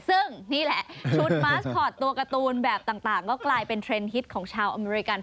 ซึ่งนี่แหละชุดมาสคอตตัวการ์ตูนแบบต่างก็กลายเป็นเทรนด์ฮิตของชาวอเมริกัน